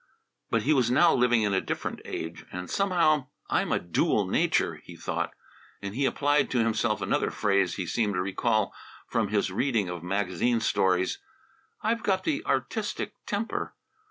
But he was now living in a different age, and somehow "I'm a dual nature," he thought. And he applied to himself another phrase he seemed to recall from his reading of magazine stories. "I've got the artistic temper!"